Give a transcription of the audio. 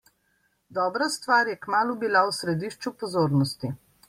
Dobra stvar je kmalu bila v središču pozornosti.